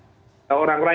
orang orang yang sudah